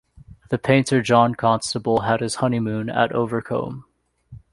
The painter John Constable had his honeymoon at Overcombe.